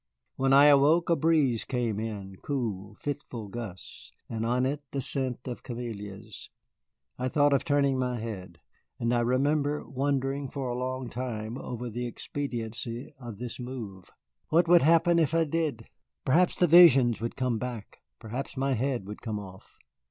When I awoke a breeze came in cool, fitful gusts, and on it the scent of camellias. I thought of turning my head, and I remember wondering for a long time over the expediency of this move. What would happen if I did! Perhaps the visions would come back, perhaps my head would come off.